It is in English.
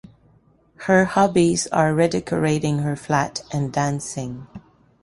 Her hobbies are redecorating her flat and dancing.